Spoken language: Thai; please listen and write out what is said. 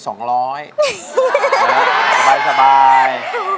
สบาย